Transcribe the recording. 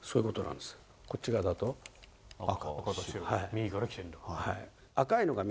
右から来てるんだ。